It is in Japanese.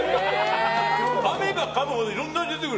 かめばかむほどいろんな味が出てくる。